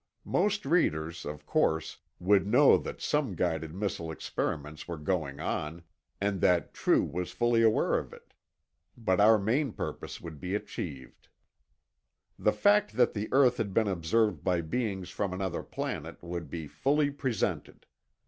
Most readers, of course, would know that some guided missile experiments were going on, and that True was fully aware of it. But our main purpose would be achieved. The fact that the earth had been observed by beings from another planet would be fully presented.